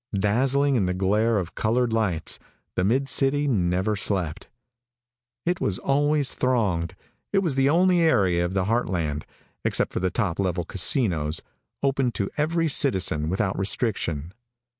Dazzling in the glare of colored lights, the mid city never slept. It was always thronged. It was the only area of the heartland except for the top level casinos open to every citizen without restriction.